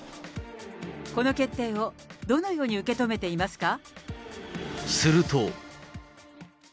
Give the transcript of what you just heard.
この決定をどのように受け止めていますか？